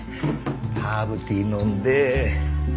ハーブティー飲んでよいしょ。